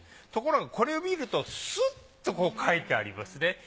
ところがこれを見るとすっと描いてありますね。